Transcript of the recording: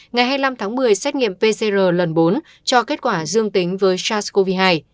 ngày hai mươi năm tháng một mươi xét nghiệm pcr lần bốn cho kết quả dương tính với sars cov hai